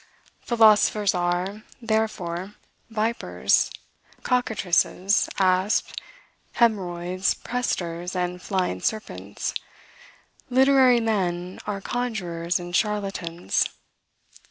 Philosophers are, therefore, vipers, cockatrices, asps, hemorrhoids, presters, and flying serpents; literary men are conjurers and charlatans.